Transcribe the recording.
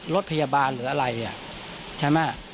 รถพยาบาลหรืออะไรอ่ะใช่มะ